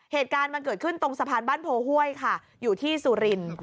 เหตุการณ์มันเกิดขึ้นตรงสะพานบ้านโพห้วยค่ะอยู่ที่สุรินทร์